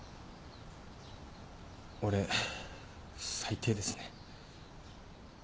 俺最低ですね。